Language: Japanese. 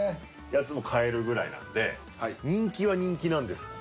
やつも買えるぐらいなんで人気は人気なんです。